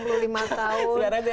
sekarang dia tiga tahun